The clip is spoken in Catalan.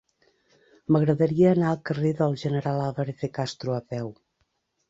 M'agradaria anar al carrer del General Álvarez de Castro a peu.